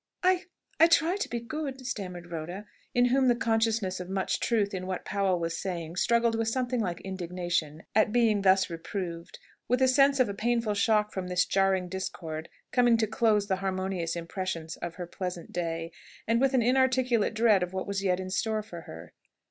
"I I try to be good," stammered Rhoda, in whom the consciousness of much truth in what Powell was saying, struggled with something like indignation at being thus reproved, with the sense of a painful shock from this jarring discord coming to close the harmonious impressions of her pleasant day, and with an inarticulate dread of what was yet in store for her.